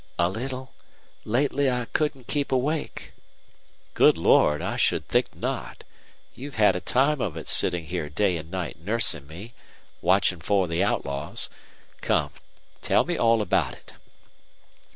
"A little. Lately I couldn't keep awake." "Good Lord! I should think not. You've had a time of it sitting here day and night nursing me, watching for the outlaws. Come, tell me all about it."